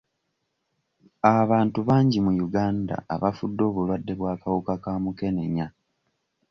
Abantu bangi mu Uganda abafudde obulwadde bw'akawuka ka mukenenya.